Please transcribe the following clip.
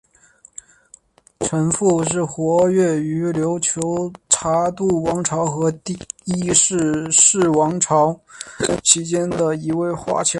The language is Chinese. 程复是活跃于琉球察度王朝和第一尚氏王朝期间的一位华侨。